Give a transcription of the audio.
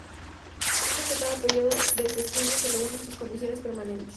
Antes de cada período de sesiones, se reúnen sus comisiones permanentes.